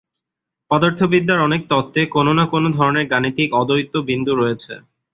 পদার্থবিদ্যার অনেক তত্ত্বে কোনও না কোনও ধরনের গাণিতিক অদ্বৈত বিন্দু রয়েছে।